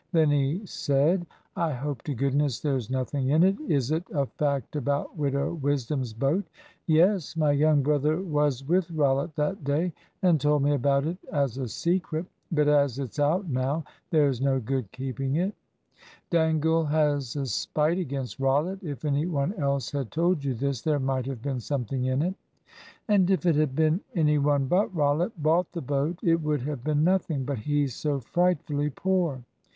Then he said "I hope to goodness there's nothing in it. Is it a fact about Widow Wisdom's boat?" "Yes; my young brother was with Rollitt that day, and told me about it as a secret. But as it's out now, there's no good keeping it." "Dangle has a spite against Rollitt. If any one else had told you this, there might have been something in it." "And if it had been any one but Rollitt bought the boat, it would have been nothing. But he's so frightfully poor.